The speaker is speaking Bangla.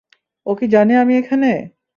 ও কি জানে আমি এখানে?